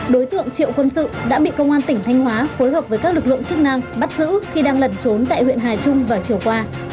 đối tượng triệu quân sự đã bị công an tỉnh thanh hóa phối hợp với các lực lượng chức năng bắt giữ khi đang lẩn trốn tại huyện hà trung vào chiều qua